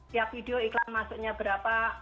tiap video iklan masuknya berapa